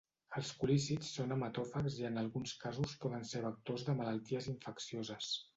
Els culícids són hematòfags i en alguns casos poden ser vectors de malalties infeccioses.